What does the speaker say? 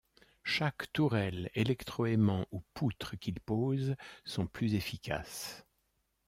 Chaque tourelle, électroaimant ou poutre qu'il pose sont plus efficaces.